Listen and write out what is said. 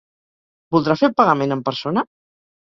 Voldrà fer el pagament en persona?